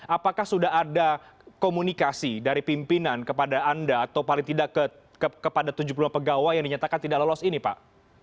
apakah sudah ada komunikasi dari pimpinan kepada anda atau paling tidak kepada tujuh puluh lima pegawai yang dinyatakan tidak lolos ini pak